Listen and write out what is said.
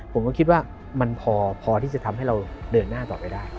ผมก็คิดว่ามันพอที่จะทำให้เราเดินหน้าต่อไปได้